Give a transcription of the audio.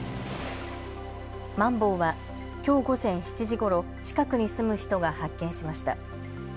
マンボウはきょう午前７時ごろ近くに住む人が発見しました。